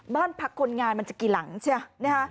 บ้านพักคนงานมันจะกี่หลังใช่ไหม